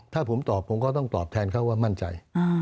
ถ้าผมตอบผมก็ต้องตอบแทนเขาว่ามั่นใจ